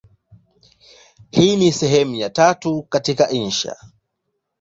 Hii ni sehemu ya tatu katika insha.